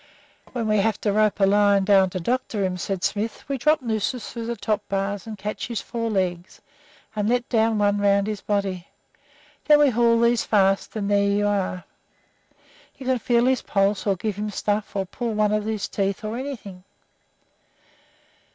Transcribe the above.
"When we have to rope a lion down to doctor him," said Smith, "we drop nooses through the top bars and catch his four legs, and let down one around his body. Then we haul these fast, and there you are. You can feel his pulse or give him stuff or pull out one of his teeth or anything."